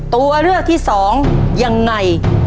ตัวเลือกที่สองยังไง